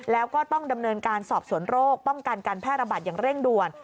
แล้วก็ต้องดำเนินการสอบสวนโรคป้องกันการแพร่ระบาดอย่างเร่งด่วน